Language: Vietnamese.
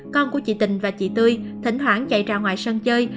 con của chị tình và chị tươi thỉnh thoảng chạy ra ngoài sân chơi